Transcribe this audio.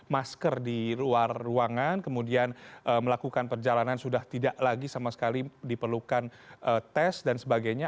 masker di luar ruangan kemudian melakukan perjalanan sudah tidak lagi sama sekali diperlukan tes dan sebagainya